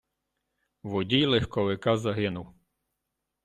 Водій легковика загинув.